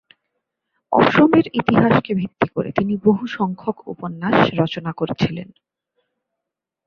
অসমের ইতিহাসকে ভিত্তি করে তিনি বহুসংখ্যক উপন্যাস রচনা করেছিলেন।